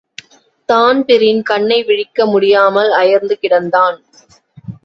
Dan Breen கண்னைவிழிக்க முடியாமல் அயர்ந்து கிடந்தான்.